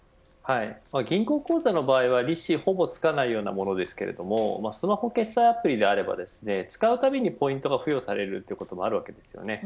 銀行口座の場合は利子がほぼつかないようなものですがスマホ決済アプリであれば使うたびにポイントが付与されることもあります。